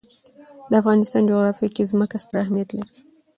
د افغانستان جغرافیه کې ځمکه ستر اهمیت لري.